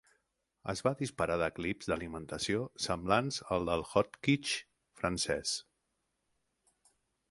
Es va disparar de clips d'alimentació semblants als del Hotchkiss francès.